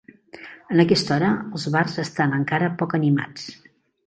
En aquesta hora els bars estan encara poc animats.